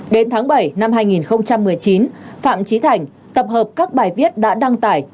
đến tháng bảy năm hai nghìn một mươi chín phạm trí thành tập hợp các bài viết đã đăng tải